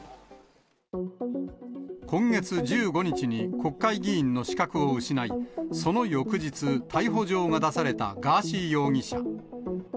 今月１５日に国会議員の資格を失い、その翌日、逮捕状が出されたガーシー容疑者。